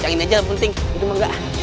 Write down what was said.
jangan aja penting itu moga